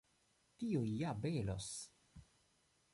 Tio ja belos!